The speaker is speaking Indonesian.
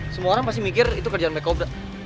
semua orang pasti mikir itu kerjaan mereka obat